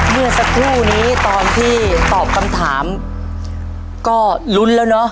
เมื่อสักครู่นี้ตอนที่ตอบคำถามก็ลุ้นแล้วเนอะ